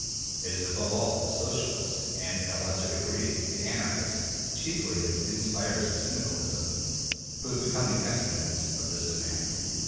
It is above all the Socialists, and in a lesser degree the Anarchists (chiefly as the inspirers of Syndicalism), who have become the exponents of this demand.